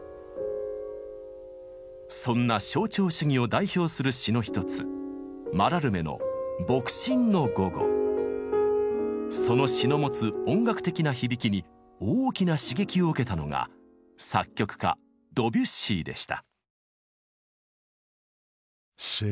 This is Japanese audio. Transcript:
そんな象徴主義を代表する詩の一つその詩の持つ音楽的な響きに大きな刺激を受けたのが作曲家ドビュッシーでした。